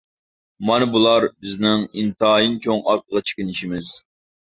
مانا بۇلار بىزنىڭ ئىنتايىن چوڭ ئارقىغا چېكىنىشىمىز.